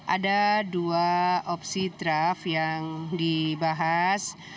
ada dua opsi draft yang dibahas